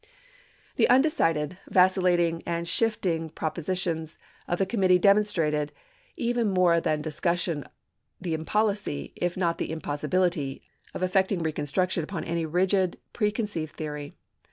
The undecided, vacillating, and shifting proposi tions of the committee demonstrated even more than discussion the impolicy, if not the impossibil ity, of effecting reconstruction upon any rigid pre conceived theory.